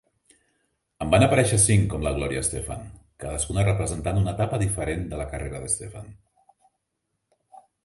En van aparèixer cinc com la Gloria Estefan, cadascuna representant una etapa diferent de la carrera d'Estefan.